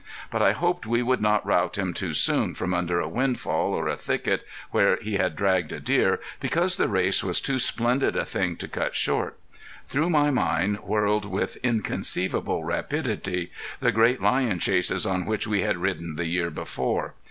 But I hoped we would not rout him too soon from under a windfall, or a thicket where he had dragged a deer, because the race was too splendid a thing to cut short. Through my mind whirled with inconceivable rapidity the great lion chases on which we had ridden the year before.